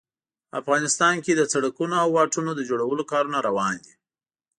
افغانستان کې د سړکونو او واټونو د جوړولو کارونه روان دي